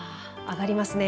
上がりますね。